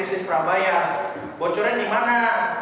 risis prabayar bocornya di mana